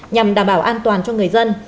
nhằm đảm bảo an toàn cho người dân